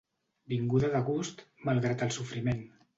Vinguda de gust, malgrat el sofriment.